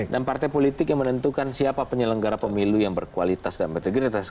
dan partai politik yang menentukan siapa penyelenggara pemilu yang berkualitas dan integritas